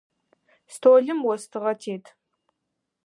Столым остыгъэ тет.